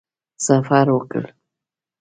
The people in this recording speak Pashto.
سفر وکړ.